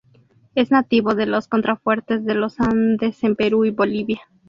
Es nativo de los contrafuertes de los Andes en Perú y Bolivia.